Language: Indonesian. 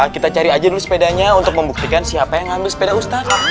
kita cari aja dulu sepedanya untuk membuktikan siapa yang ngambil sepeda ustad